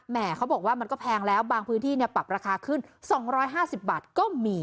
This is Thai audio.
เขาบอกว่ามันก็แพงแล้วบางพื้นที่ปรับราคาขึ้น๒๕๐บาทก็มี